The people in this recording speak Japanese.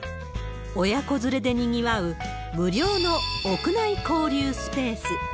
親子連れでにぎわう無料の屋内交流スペース。